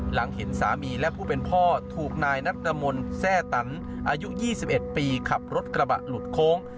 หลังเห็นสามีและผู้เป็นพ่อถูกนายนัดมนต์แทร่ตันอายุ๒๑ปีขับรถกระบะหลุดโค้ง